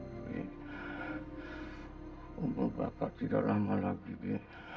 bi umur bapak tidak lama lagi bi